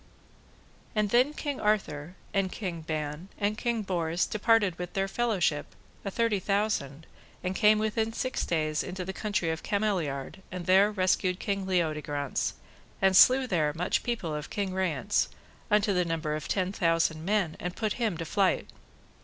And then King Arthur, and King Ban, and King Bors departed with their fellowship, a twenty thousand, and came within six days into the country of Cameliard, and there rescued King Leodegrance, and slew there much people of King Rience, unto the number of ten thousand men, and put him to flight.